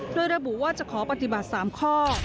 โดยระบุว่าจะขอปฏิบัติ๓ข้อ